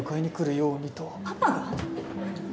パパが？